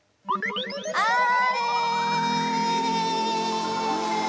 あれ。